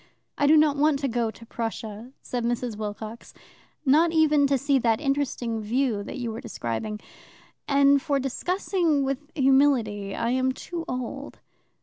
"I do not want to go to Prussian" said Mrs. Wilcox "not even to see that interesting view that you were describing. And for discussing with humility I am too old.